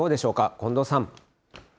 近藤さん。